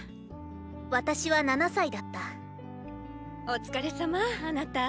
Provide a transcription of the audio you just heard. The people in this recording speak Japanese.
私は７歳だったお疲れさまあなた！